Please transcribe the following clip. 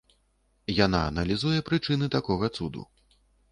Яна аналізуе прычыны такога цуду.